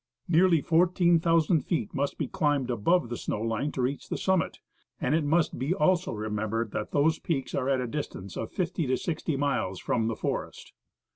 Nearly 14,000 feet must be climbed above the snow line to reach the summit ; and it must be also remembered that those peaks are at a distance of 50 to 60 miles from the forest.